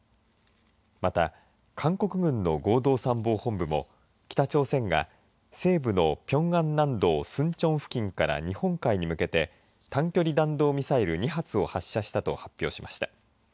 また、韓国軍の合同参謀本部も北朝鮮が西部のピョンアン南道スンチョン付近から日本海に向けて短距離弾道ミサイル２発を発射したと発表しました。